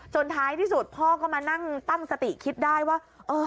ท้ายที่สุดพ่อก็มานั่งตั้งสติคิดได้ว่า